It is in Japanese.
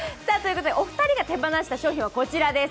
お二人が手放した商品はこちらです。